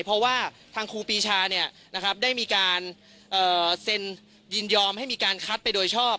เพราะว่าทางครูปีชาได้มีการเซ็นยินยอมให้มีการคัดไปโดยชอบ